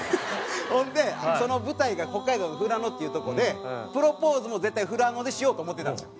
ほんでその舞台が北海道の富良野っていうとこでプロポーズも絶対富良野でしようと思ってたんですよ。